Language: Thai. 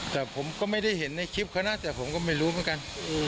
แต่ผมก็ไม่ได้เห็นในคลิปเขานะแต่ผมก็ไม่รู้เหมือนกัน